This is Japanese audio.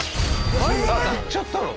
いっちゃったの？